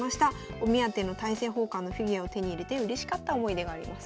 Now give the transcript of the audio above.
お目当ての大政奉還のフィギュアを手に入れてうれしかった思い出がありますと。